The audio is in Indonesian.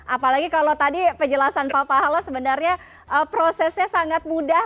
apalagi kalau tadi penjelasan pak pahala sebenarnya prosesnya sangat mudah